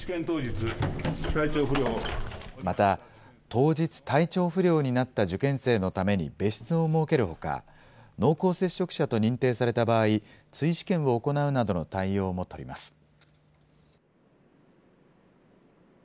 また、当日、体調不良になった受験生のために別室を設けるほか、濃厚接触者と認定された場合、追試験を行うなどの対応も取ります。